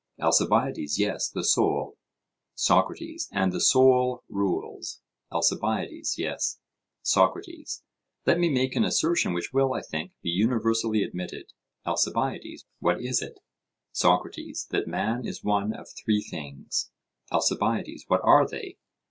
ALCIBIADES: Yes, the soul. SOCRATES: And the soul rules? ALCIBIADES: Yes. SOCRATES: Let me make an assertion which will, I think, be universally admitted. ALCIBIADES: What is it? SOCRATES: That man is one of three things. ALCIBIADES: What are they?